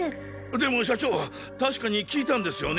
でも社長確かに聞いたんですよね？